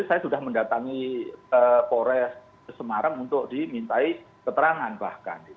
jadi saya sudah mendatangi polres semarang untuk dimintai keterangan bahkan